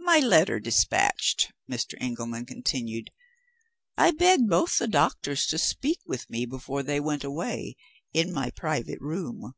"My letter despatched," Mr. Engelman continued, "I begged both the doctors to speak with me before they went away, in my private room.